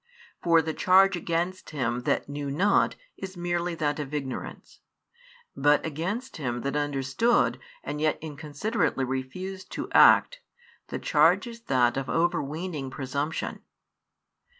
For the charge against him that knew not is merely that of ignorance; but against him that understood and yet inconsiderately refused to act, the charge is that of overweening presumption.